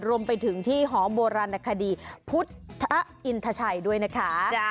รวมไปถึงที่หอโบราณคดีพุทธอินทชัยด้วยนะคะ